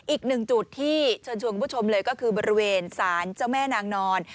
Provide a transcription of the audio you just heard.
อีกหนึ่งจุดที่เชิญชวนคุณผู้ชมเลยก็คือบริเวณสารเจ้าแม่นางนอน